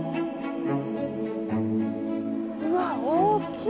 うわ大きい。